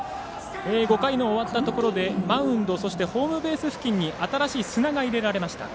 ５回の終わったところでマウンド、ホームベース付近に新しい砂が入れられました。